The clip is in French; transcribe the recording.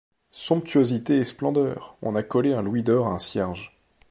Somptuosité et splendeur! on a collé un louis d’or à un cierge.